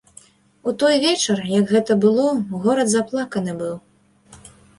У той вечар, як гэта было, горад заплаканы быў.